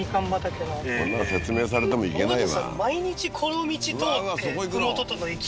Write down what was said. こんなの説明されても行けないよな